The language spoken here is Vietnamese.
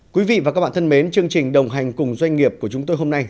quý vị và các bạn thân mến chương trình đồng hành cùng doanh nghiệp của chúng tôi hôm nay